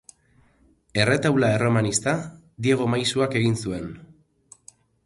Erretaula erromanista Diego maisuak egin zuen.